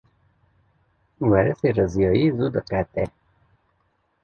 Werîsê riziyayî zû diqete.